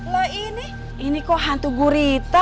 lah ini ini kok hantu gurita